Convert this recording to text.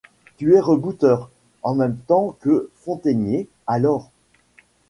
Tu es rebouteur, en même temps que fontainier, alors ?